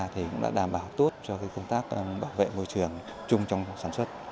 thì cũng đã đảm bảo tốt cho công tác bảo vệ môi trường chung trong sản xuất